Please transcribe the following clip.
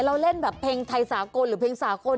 เราเล่นแบบเพลงไทยสากลหรือเพลงสากล